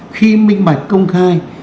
khi minh bạc công khai